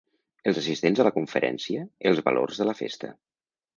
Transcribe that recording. Els assistents a la conferència Els valors de la festa.